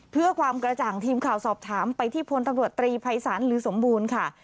เพื่อความกระจ่างทีมข่าวสอบถามไปที่พลตำรวจตรีภัยศาลหรือสมบูรณ์ค่ะ